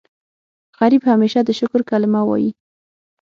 غریب همیشه د شکر کلمه وايي